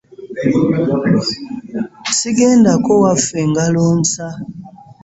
Ssigendangako waffe ngalo nsa.